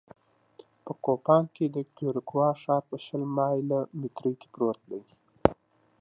په کوپان کې د کیوریګوا ښار په شل مایله مترۍ کې پروت دی